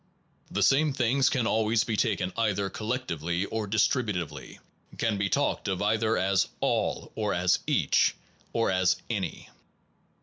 The same Ambigu things can always be taken either Kant s collectively or distributively, can be alked of either as all ? or as eacn> problem or as "any.